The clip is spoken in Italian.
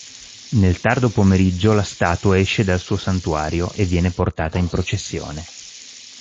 Nel tardo pomeriggio la statua esce dal suo santuario e viene portata in processione.